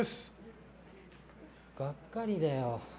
がっかりだよ。